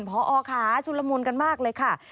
พอค่ะสุรมนต์กันมากเลยค่ะ